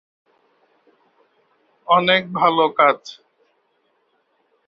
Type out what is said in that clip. অনেকে ডাল কম।